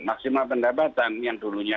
maksimal pendapatan yang dulunya